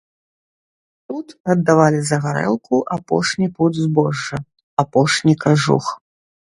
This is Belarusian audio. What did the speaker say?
Тут аддавалі за гарэлку апошні пуд збожжа, апошні кажух.